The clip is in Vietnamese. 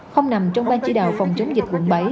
không nằm trong ban chỉ đạo phòng chống dịch quận bảy